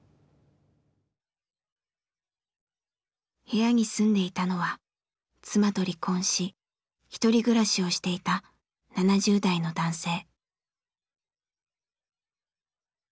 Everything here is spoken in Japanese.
部屋に住んでいたのは妻と離婚しひとり暮らしをしていた７０代の男性。